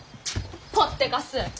ぽってかす。